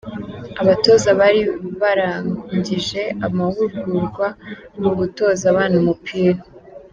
Abatoza bari barangije amahugurwa mu gutoza abana umupira.